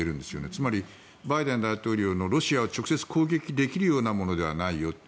つまり、バイデン大統領のロシアを直接攻撃できるようなものではないよと。